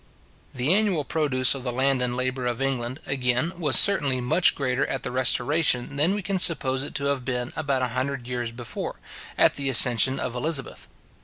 The annual produce of the land and labour of England, again, was certainly much greater at the Restoration than we can suppose it to have been about a hundred years before, at the accession of Elizabeth.